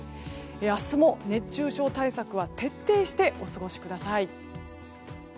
明日も熱中症対策は徹底してお過ごしください。